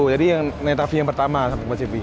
jadi netafee yang pertama sahabat kompas tv